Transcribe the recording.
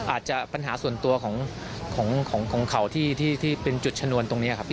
อาจจะปัญหาส่วนตัวของเขาที่เป็นจุดชนวนตรงนี้ครับ